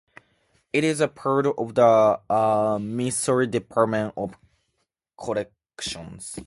It is a part of the Missouri Department of Corrections.